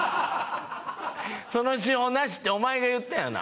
その手法なしってお前が言ったよな？